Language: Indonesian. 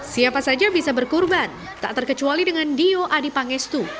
siapa saja bisa berkurban tak terkecuali dengan dio adipangestu